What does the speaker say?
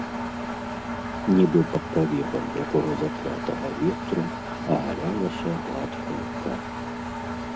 Нібы пад павевам якога заклятага ветру агалялася гладка лука.